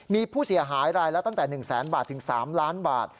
มีผู้เสียหายรายละตั้งแต่๑แสนบาทถึง๓ล้านบาท